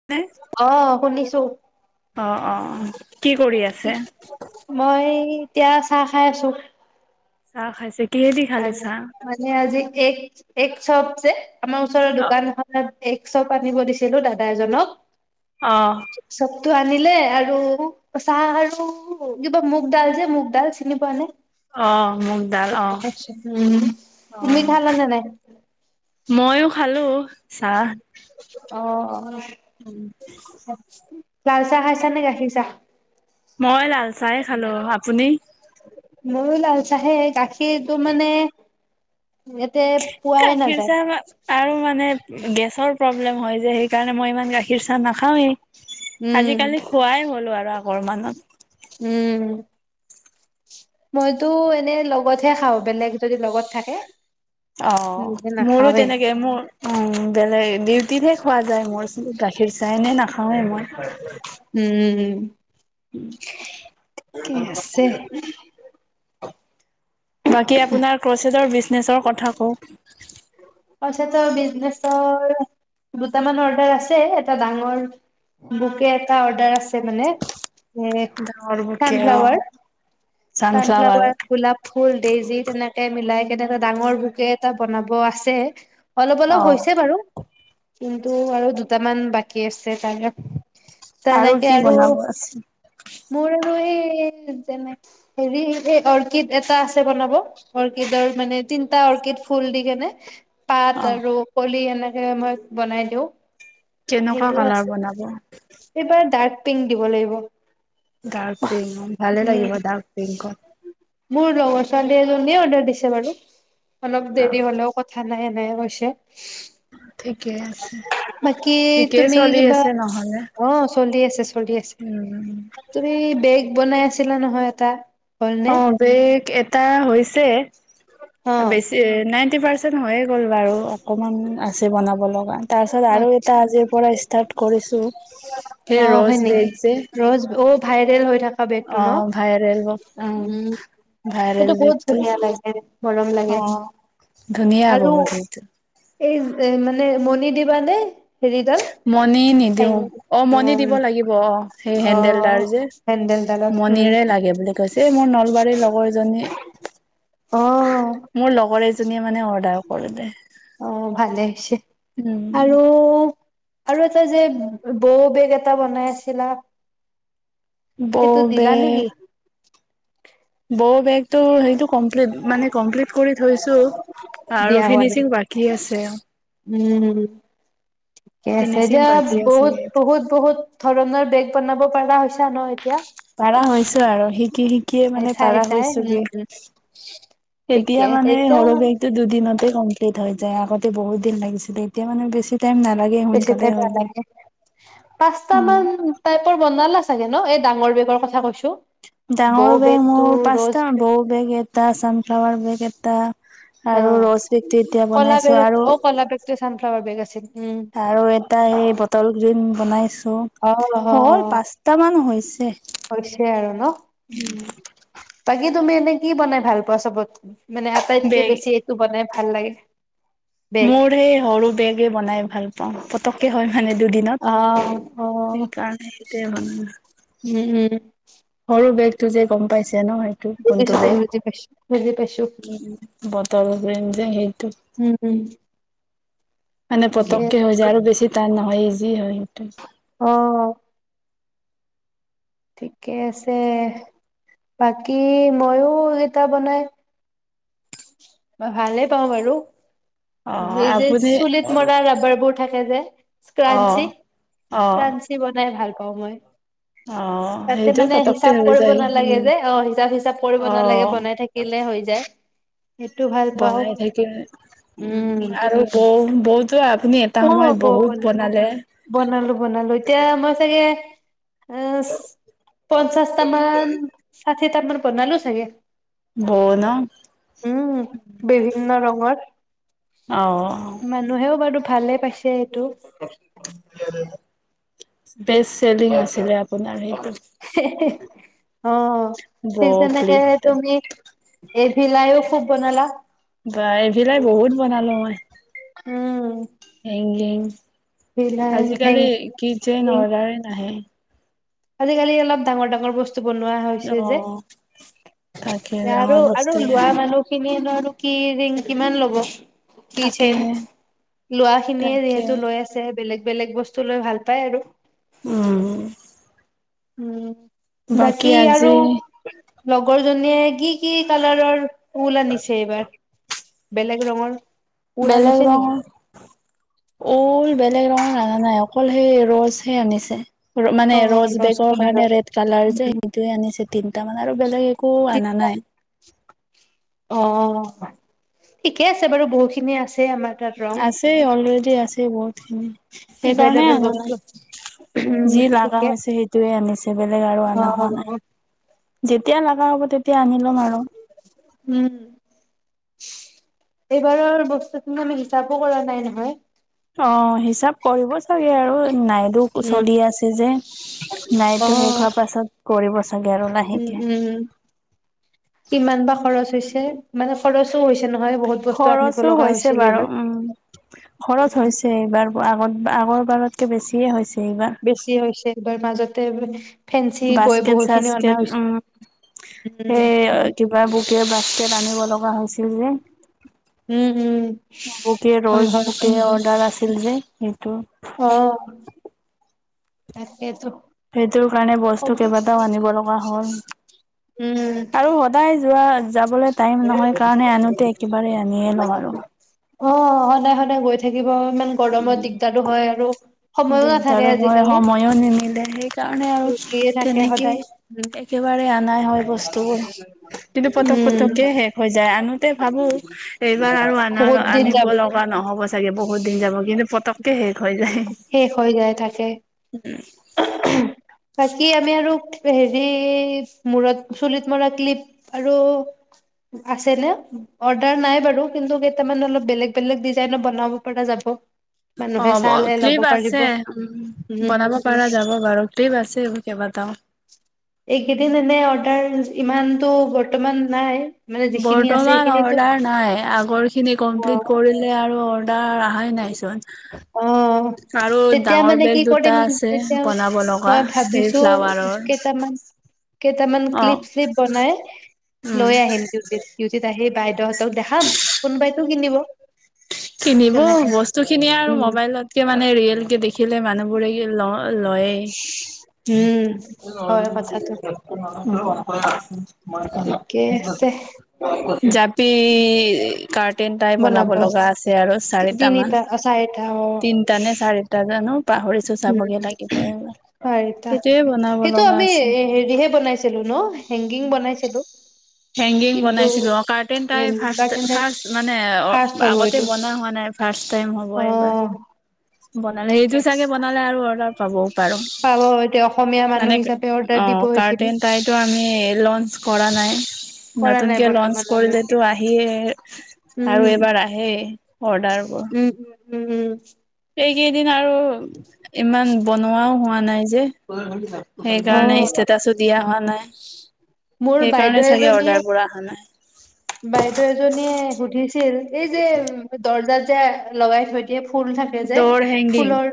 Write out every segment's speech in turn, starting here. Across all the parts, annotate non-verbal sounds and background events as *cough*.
*unintelligible* অ শুনিছো। অ অ অ, কি কৰি আছা? মই এতিয়া চাহ খাই আছো। চাহ খাইছে, কিহেদি খালি আজি চাহ? মানে আজি এগ্ এগ্ চপ যে আমাৰ ওচৰৰ অ দোকান এখন এখনত এগ্ চপ আনিব দিছিলো দাদা এজনক। অ। এগ্ চবটো আনিলে আৰু চাহ আৰু কিবা মুগডাল যে মুগডাল চিনি পোৱা নে? অ মুগডাল অ। সেইটো খাইছো উম, অ তুমি খালা নে নাই? মইয়ো খালো চাহ। অ, লাল চাহ খাইছা নে গাখীৰ চাহ? মই লাল চায়েই খালো, আপুনি? মইয়ো লাল চাহে গাখীৰটো মানে, পোৱাই গাখীৰ নাযায় চাহ আমাৰ আৰু মানে গেছৰ প্ৰব্লেম হয় যে সেইকাৰণে মই ইমান গাখীৰ চাহ নাখাওৱেই। উম আজিকালি খোৱাই হ'লো আৰু আগৰ মানত। উম। মইতো এনেই লগতহে খাওঁ বেলেগ যদি লগত থাকে। অ নিজে মোৰো নাখাওৱে তেনেকে মোৰ উম বেলেগ দি তিতহে খোৱা যায় মোৰ, গাখীৰ চাহ এনেই নাখাওঁৱে মই। উম। উম কি আছে *unintelligible* বাকী আপোনাৰ ক্ৰচেজৰ বিজনেচৰ কথা কওক। ক্ৰচেজৰ বিজনেছৰ দুটামান অৰ্ডাৰ আছে, এটা ডাঙৰ বুকে এটা অৰ্ডাৰ আছে মানে, এ ডাঙৰ বুকে অ ছানফ্লাৱাৰ, চানফ্লাৱাৰ ছানফ্লাৱাৰ গোলাপ ফুল ডেইজি তেনেকে মিলাই তেনেকে ডাঙৰ বুকে এটা বনাব আছে। অলপ অলপ অ হৈছে বাৰু কিন্তু আৰু দুটামান বাকী আছে তাৰে। তেনেকে কি আৰু বনাব আছে মোৰ আৰু এই যেনে, হেৰি এই অৰ্কিড এটা আছে বনাব। অৰ্কিডৰ মানে তিনিটা অৰ্কিড ফুল দি কেনে। অ পাত আৰু কলি এনেকে মই বনাই দিওঁ কেনেকুৱা সেইটো কালাৰ আছে। বনাব এইবাৰ ডাৰ্ক পিংক দিব লাগিব ডাৰ্ক পিংক ভালে লাগিব উম ডাৰ্ক পিংকত মোৰ লগৰ ছোৱালী এজনীয়ে অৰ্ডাৰ দিছে বাৰু অলপ অ দেৰি হলেও কথা কথা নাই এনেকে কৈছে। ঠিকেই আছে। বাকী ঠিকেই তুমি চলি কিবা আছে নহলে অ চলি আছে চলি আছে উম তুমি বেগ বনাই আছিলা নহয় এটা? হ'লনে অ' বেগ এটা হৈছে, অ বেছি নাইটি পাৰ্চে ন হৈয়ে গ'ল বাৰু অকণমান আছে বনাব লগা। তাৰপিছত আৰু এটা আচ্ছা আজিৰ পৰা ইচ তাত কৰিছো, সে অ ৰ'ছ হয় নেকি বেগ যে। ৰ'জ, অ' ভাইৰেল হৈ থকা বেগটো অ ন? ভাইৰেল অ উম ভাইৰেল সেইটো বহুত বেগটো ধুনীয়া লাগে মৰম অ লাগে। ধুনীয়া আৰু বহুত সেইটো। এই এ মানে মণি দিবা নে হেৰিডাল? মণি হেং নিদিওঁ অ' মণি দিব লাগিব অ' সেই অ হেন্দেল ডাল যে হেন্দেলডালত উম মণিৰে লাগে বুলি কৈছে, এই মোৰ নলবাৰীৰ লগৰ এজনী অ' মোৰ লগৰ এজনীয়ে মানে অৰ্ডাৰ কৰিলে। অ' ভালেই হৈছে। উম আৰু আৰু এটা যে বৌ বেগ এটা বনাই আছিলা বৌ সেইটো দিলা বেগ নেকি বৌ বেগটো সেইটো কমপ্লিট মানে কমপ্লিট কৰি থৈছো, আৰু দিয়া হোৱা নাই ফিনিচিং বাকী আছে। উম ঠিকে আছে ফিনিচিং যা-ব বাকী আছে বহুত সেইটো বহুত বহুত ধৰণৰ বেগ বনাব পাৰা হৈছা ন এতিয়া পাৰা হৈছো আৰু, শিক শিকি শিকিয়ে মানে চাই পাৰা চাই উম হৈছোগে, ঠিকে এতিয়া আছে মানে এতিয়া সৰু বেগ টো দুদিনতে কমপ্লিট হৈ যায়। আগতে বহুত দিন লাগিছিলে, এতিয়া মানে বেছি টাইম নালাগে। বেছি সোনকালে টাইম হৈ যায়। নালাগে, পাঁছটা উম, মান টাইপৰ বনালা চাগে ন? এই ডাঙৰ বেগৰ কথা কৈছো। ডাঙৰ বৌ বেগ বেগটো মোৰ ৰ'জ পাঁচটা, বৌ বেগ এটা চানফ্লাৱাৰ বেগ এটা অ আৰু ৰ'জ বেগটো এতিয়া বনাইছো আৰু টো ছানফ্লাৱাৰ বেগ আছে, উম আৰু এটা এই বটল গ্ৰীণ বনাইছো, অ অ হ'ল পাঁচটামান হৈছে হৈছে আৰু ন? বাকী তুমি এনে কি বনাই ভাল পোৱা চবত মানে আটাইতকে বেগ বেছি টো বনাই ভাল লাগে বেগ মোৰ সেই সৰু বেগে বনাই ভাল পাওঁ, পতককে হয়। মানে অ দুদিনত, অ সেইকাৰণে সেইটোয়ে বনাওঁ। উম উম সৰু বেগটো যে গ'ম পাইছে ন সেইটো বুজিছো কোনটো বেগ বুজি বুজি পাইছো বুজি পাইছো উম উম বটল গ্ৰীণ যে সেইটো উম হুম মানে পতককে হৈ যায় আৰু বেছি তান নহয় ইজি হয় সেইটো। অহ। ঠিকে আছে, বাকী মইয়ো যেতিয়া বনাই মই ভালে পাওঁ বাৰু, অ এই যে আপুনি চুলিত মৰা ৰাবাৰবোৰ থাকে যে। অ স্ক্ৰাঞ্চি, অ স্ক্ৰাঞ্চি বনাই ভাল পাওঁ মই। অ তাতে সেইটো মানে পতককে হিচাপ হৈ কৰিব যায় নালাগে উম যে, অহ হিচাপ হিচাপ কৰিব অ নালাগে বনাই থাকি থাকিলে হৈ যায়। সেইটো ভাল পাওঁ বনাই থাকিল উম, আৰু ব-বত অহ, ব-বনাওঁ বনালোঁ বনালোঁ, এতিয়া মই চাগে অ' পঞ্চাছ তামান ছাঠি তামান বনালোঁ চাগে। ব' না উম, বিভিন্ন ৰঙৰ মা অ মানুহেও বাৰু ভালে পাইছে এইটো। বেচ্ চেলিং আছিলে আপোনাৰ সেইটো। *unintelligible* অহ, বৌ ঠিক তেনেদৰে ক্লিপটো তুমি এফিলাইও খুব বনাল। বাহ এইবিলাই বহুত বনালোঁ মই। উম। হেংগিং ভিলাই আজিকালি হেংচিং কিচেন অৰ্ডাৰ নাহে। আজিকালি অলপ ডাঙৰ ডাঙৰ বস্তু বনোৱা হৈছে যে, অ তাকে ই ডাঙৰ আৰু-আৰু বস্তুৱে লোৱা আহে মানুহ কিনি আনা আৰু কি ৰিং কিমান ল'ব। কি তাকে চেট লোৱা খিনিয়ে তাকে যিহেতু লৈ আছে বেলেগ-বেলেগ বস্তু বস্তু লৈ ভাল পায় আৰু। উম। উম, বাকী আৰু লগৰ জনীয়ে কি কি কালাৰৰ ঊল আনিছে এইবাৰ। বেলেগ ৰঙৰ। ঊল বেলেগ আনিছে ৰং নেকি ঊল বেলেগ ৰঙৰ আনা নাই, অকল সেই ৰচ হে আনিছে। মানে অ ৰজ্ ৰস বেগৰ কাৰণে ৰেড কালাৰ যে কালাৰৰ সেইটোয়ে আনিছে তিনটা মানে আৰু বেলেগ একো আনা নাই। অহ, ঠিকে আছে বাৰু বহুখিনি আছে আমাৰ। তাত ৰং আছে অলৰেডি আছে বহুতখিনি, সেইকাৰণে এভেইলেবল আনা বস্তু নাই। আছে উম, *unintelligible* আনা হৈছে সেইটোৱে আনিছে বেলেগ আৰু অ আনা হোৱা নাই, যেতিয়া লগা হ'ব তেতিয়া তেতিয়া আনি ল'ম আৰু। উম। এইবাৰৰ বস্তুখিনি আমি হিচাপো কৰা নাই নহয়। অহ, হিচাপ কৰিব চাগে আৰু নাইডু উম চলি আছে যে। অ নাইতো শেষ হোৱাৰ পাছত কৰিব চাগে আৰু উম লাহেকে। উম। কিমান বা খৰচ হৈছে? মানে খৰচো হৈছে নহয় বহুত বস্তু আনিব খৰচো লগা হৈছে হৈছিল বাৰু এইবাৰ। উম। খৰচ হৈছে এইবাৰ আগত-আগৰ বাৰতকে বেছিয়ে হৈছে এইবাৰ। বেছি হৈছে এইবাৰ মাজতে ফেঞ্চি গৈ বাস্কেট বহুতখিনি চাস্কেট অনা উম হৈছে। উম সেই কিবা বুকে বাসকেট আনিব লগা হৈছিল যে। উম উম বুকে হয় ৰ'জ হয় বুকে অৰ্ডাৰ আছিল যে সেইটো। অ', তাকেটো। সেইটোৰ কাৰণে বস্তু কেইবাটাও আনিব লগা হ'ল, উম আৰু সদায় যোৱা যাবলৈ টাইম নহয় কাৰণে, আনোতে একেবাৰে আনিয়ে লওঁ আৰু। অ', সদায় সদায় গৈ থাকিব ইমান গৰমত উম দিগদাৰো হয়, আৰু। সময়ো নাথাকে দিগদাৰো হয়, আজিকালি সময়ো নিমিলে সেইকাৰণে আৰু ডিউটিয়ে থাকে তেনেকেই সদায় উম একেবাৰে অনাই হয় বস্তুবোৰ। কিন্তু পটক উম পটকে শেষ হৈ যায়, আনোতে ভাবোঁ। এইবাৰ আৰু আনা বহুত দিন আনিব যাব লগা নহ'ব চাগে, বহুত দিন যাব কিন্তু পতক কে শেষ হৈ যায়। শেষ হৈ যায় তাকে। উম। বাকী আমি আৰু হেৰি মূৰত চুলিত মৰা ক্লিপ আৰু আছে নে? অৰ্ডাৰ নাই বাৰু কিন্তু কেইটামান অলপ বেলেগ বেলেগ ডিজাইন বনাব পৰা যাব। মানুহে অ', চালে ল'ব ক্লিপ পাৰিব আছে, উম বনাব পৰা যাব বাৰু ক্লিপ আছে কেইবাটাও। এইকেইদিন এনে অৰ্ডাৰ ইমানতটো বৰ্তমান নাই। মানে যিখিনি আছে বৰ্তমান সেইখিনিতো অৰ্ডাৰ নাই, আগৰ খিনি কমপ্লিট অ কৰিলোঁ। আৰু অৰ্ডাৰ অহাই নাই চোন। অ', আৰু তেতিয়া ডাঙৰ মানে কি বেগ কৰিম দুটা আছে তেতিয়া বনাব লগা মই সেই ভাবিছো ফ্লাৱাৰৰ। কেইটামান কেইটামান অ', ক্লিপ-শ্লিপ বনাই উম, লৈ আহিম ডিউটিত, ডিউটিত আহি বাইদেও হ তক দেখাম কোনোবাইতো কিনিব। কিনিব তেনেকে লৈ। বস্তু খিনি আৰু উম মোবাইলতকে মানে ৰিয়েল কে দেখ দেখিলে মানুহবোৰে ল-লয়ে উম। হয় কথাটো ঠিকে আছে *unintelligible* জাপি কাৰ্টিন টাই বনাব লগা আছে আৰু চাৰিটা মান, তিনিটা অ চাৰিটা অ তিনটা নে চাৰিটা জানো পাহৰিছো উম চাবগে লাগিব এবাৰ, চাৰিটা সেইটোয়ে বনাব সেইটো লগা আমি আছে। হেৰিহে বনাইছিলো ন' হেংগিং বনাইছিলো? হেংগিং কিন্তু বনাইছিলো কাৰ্টেইন এ type first garden type first মানে অ', ফাৰ্ষ্ট হ'ব আগতে এইটো বনোৱা হোৱা নাই। ফাৰ্ষ্ট টাইম হ'ব এইবাৰ। অ'। বনালে সেইটো তাকে চাগে বনালে আৰু অৰ্ডাৰ পাবও পাৰো, পাব এতিয়া অসমীয়া মানুহ মানে হিচাপে অৰ্ডাৰ দিব অ', সেইখিনি কাৰ্টন তাইতো আমি লঞ্চ কৰা নাই। কৰা নাই নতুনকে লঞ্চ বৰ্তমানলৈকে কৰিলেতো আহিয়ে আৰু উম এবাৰ আহেই। উম, উম, উম, উম। সেইকেইদিন আৰু ইমান বনোৱাও হোৱা নাই যে। অ সেইকাৰণে ষ্টেটাচো দিয়া হোৱা নাই। মোৰ সেইকাৰণে বাইদেউ চাগে এজনীয়ে অৰ্ডাৰ বোৰ অহা নাই। বাইদেউ এজনীয়ে সুধিছিল। এই যে দৰ্জা যে লগাই থৈ দিয়ে ফুল থাকে যে, দৌৰ হেংগিং ফুলৰ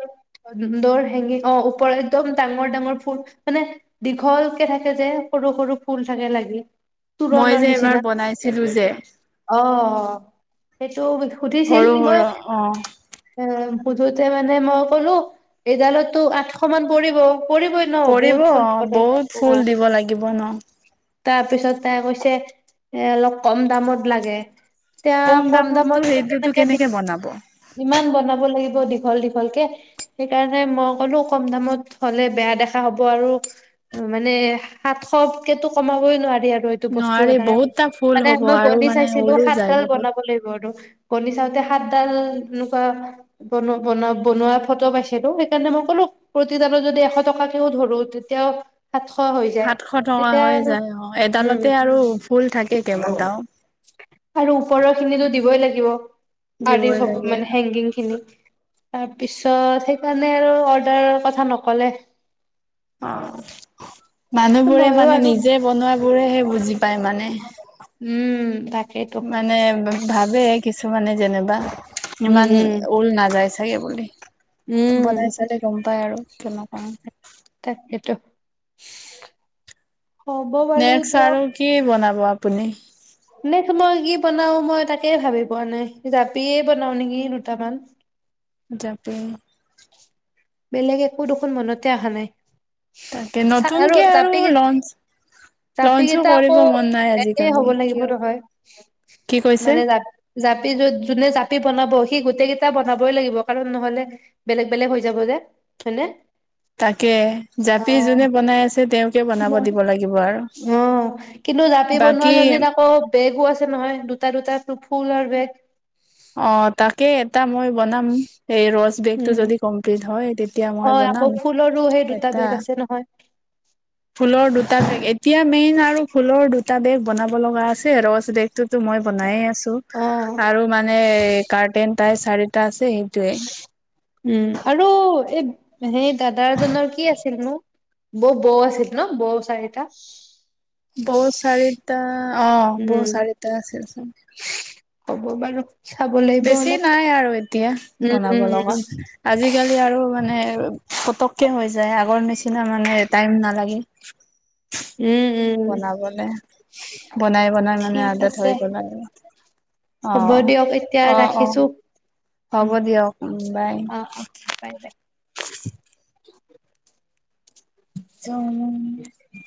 দ'ৰ হেঙি অ', ওপৰ এক্দম ডাঙৰ ডাঙৰ ফুল মানে দীঘলকে থাকে যে সৰু সৰু ফুল থাকে লাগি। মই তোৰণৰ যে নিচিনা এবাৰ বনাইছিলো যে। অ, অ, সেইটো সুধিছিল, সৰু মই সৰু অ এ, সোধোতে মানে মই ক'লো, এইডালতো আঠশ মান পৰিব পৰিবই *unintelligible* পৰিব বহুত ফুল দিব লাগিব ন! তাৰপিছত এ কৈছে, এ অলপ কম দামত লাগে। তেওঁ কম দামতো দামত সেইটোতো কেনেকে দি বনাব। ইমান বনাব লাগিব দীঘল-দীঘল কে, সেইকাৰণে মই ক'লো কম দামত হ'লে বেয়া দেখা হ'ব আৰু মানে সাতশতকেটো কমাবই নোৱাৰি আৰু। টো বস্তু নোৱাৰি এদাই, বহুতটা ফুল মানে হ'ব মই আৰু গনি মানে চাইছিলো, ওলো যায় সাতডাল বহুত বনাব লাগিব আৰু। গনি চাওঁতে, সাতডাল তেনেকুৱা বনোৱা, বনোৱা, বনোৱা ফটো পাইছিলোঁ, সেইকাৰণে মই ক'লো প্ৰতি দালত যদি এশ টকাকেও ধৰো, তেতিয়াও সাতশ হৈ যায়। সাতশ টকা তেতিয়া হৈ আৰু যায়, অ, উম এডালতে আৰু ফুল থাকে কেইবাটাও। আৰু ওপৰৰ খিনিতো দিবই লাগিব, আৰি দিবই সব লাগে মানে হেংগিং খিনি। তাৰপিছত সেইকাৰণে আৰু অৰ্ডাৰৰ কথা নক'লে। মানুহ বোৰে মইয়ো মানে আৰু নিজে বনোৱাবোৰেহে বুজি পায় মানে। উম, তাকে। মানে, ভাবে কিছুমানে যেনিবা ইমান উম উম ঊল নাযাই চাগে। থাকে বুলি, বনাই উম চালে গম পাই আৰু কেনেকুৱা তাকেতো। হ'ব বাৰু নেক্স দিয়ক আৰু কি বনাব আপুনি? নেক্স মই কি বনাও, মই তাকে ভাবি পোৱা নাই? জাপিয়ে বনাও নেকি দুটামান? জাপি। বেলেগ একো দেখোন মনতে অহা নাই। তাকে চা নতুনকে আৰু জাপি লঞ্চ জাপি লঞ্চো কেইটা আকৌ কৰিব মন নাই একেই আজিকালি হ'ব লাগিব কিয় নহয়, কি কৈছে মানে জাপ জাপি য যোনে জাপি বনাব, সি গোটেই কেইটা বনাবই লাগিব, কাৰণ নহ'লে বেলেগ-বেলেগ হৈ যাব যে, হয়নে! তাকে, অ জাপি যোনে বনাই আছে তেওঁকে বনাব মই দিব লাগিব আৰু। অ কিন্তু জাপি বনোৱা বাকী দিন আকৌ বেগো আছে নহয়, দুটা-দুটা ফুলৰ বেগ। অ, তাকে এটা মই বনাম, এই ৰছ বেগ টো উম যদি কমপ্লিট হয়। এতিয়া মই হয় আকৌ বনাম ফুলৰো সেই দুটা এটা *unintelligible* ফুলৰ দুটা বেগ, এতিয়া মেইন আৰু ফুলৰ দুটা বেগ বনাব লগা আছে, ৰচ বেগ টোতো মই বনায়ে আছো। অ আৰু মানে, কাৰ্টেন তাই চাৰিটা আছে, সেইটোয়ে। উম, আৰু এই সেই দাদা এজনৰ কি আছিলনো? বৌ, বৌ আছিল ন, বৌ চাাৰিটা! বৌ চাৰিটা, অ, বৌ উম চাৰিটা আছিল। হ'ব বাৰু। চাব লাগিব বেছি অলপ নাই আৰু এতিয়া, উম বনাব উম লগা। উম আজিকালি আৰু মানে পতককে হৈ যায়, আগৰ নিচিনা মানে টাইম নালাগে। উম *inaudible* উম বনাবলৈ, বনাই-বনাই মানে ঠিক আদাত আছে হৈ গ'ল আৰু। হ'ব অ'। দিয়ক, এতিয়া অ', অ', ৰাখিছো। হ'ব দিয়ক বাই। অ, অ, বাই, বাই। *unintelligible*